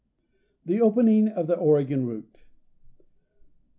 The Opening of the Oregon Route.